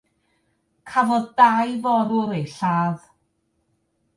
Cafodd dau forwr eu lladd.